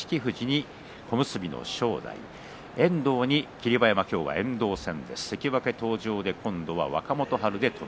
霧馬山が今日は遠藤戦。